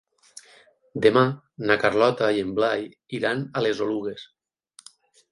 Demà na Carlota i en Blai iran a les Oluges.